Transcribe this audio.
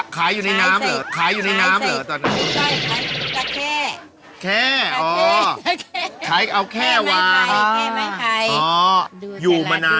กินน้ำก่อนตอนเช้านะค่ะ